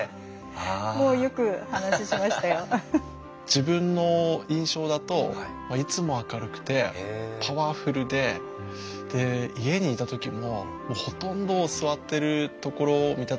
自分の印象だといつも明るくてパワフルでで家にいた時もほとんど座ってるところを見た時なくて。